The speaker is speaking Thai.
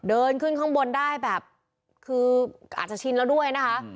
เดินขึ้นข้างบนได้แบบคืออาจจะชินแล้วด้วยนะคะ